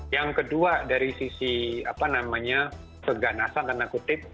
yang kedua dari sisi apa namanya keganasan tanda kutip